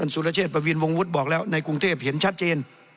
สุรเชษประวินวงวุฒิบอกแล้วในกรุงเทพเห็นชัดเจน